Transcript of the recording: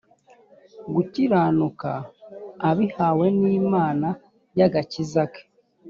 gukiranuka abihawe n’imana y’agakiza ke